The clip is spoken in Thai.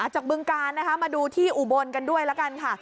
บึงกาลนะคะมาดูที่อุบลกันด้วยละกันค่ะ